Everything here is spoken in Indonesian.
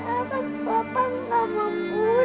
padahal bapak gak membunuh